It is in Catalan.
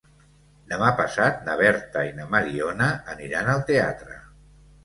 Demà passat na Berta i na Mariona aniran al teatre.